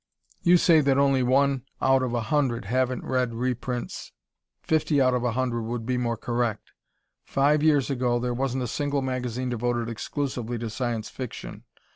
You say that only one out of a hundred haven't read reprints [?]. Fifty out of a hundred would be more correct. Five years ago there wasn't a single magazine devoted exclusively to Science Fiction.